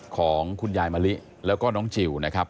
ของคุณยายมะลิแล้วก็น้องจิลนะครับ